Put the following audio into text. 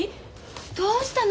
どうしたの？